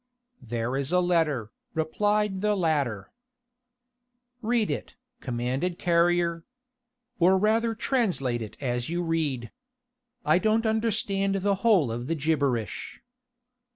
"There is a letter," replied the latter. "Read it," commanded Carrier. "Or rather translate it as you read. I don't understand the whole of the gibberish."